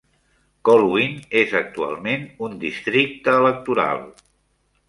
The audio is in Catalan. Colwyn és actualment un districte electoral.